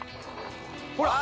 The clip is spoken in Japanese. ほら